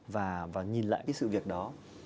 và nhìn lại cái sự việc đó